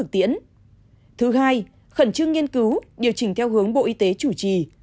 thứ hai khẩn trương nghiên cứu điều chỉnh theo hướng bộ y tế chủ trì